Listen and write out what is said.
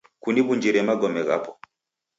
Kuniw'unjire magome ghapo.